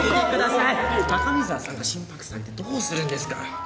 高見沢さんが心拍数上げてどうするんですか！